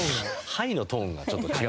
「はい」のトーンがちょっと違う。